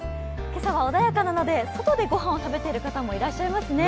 今朝は穏やかなので、外でご飯を食べている方もいらっしゃいますね。